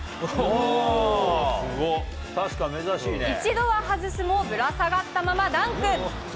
１度は外すも、ぶら下がったままダンク。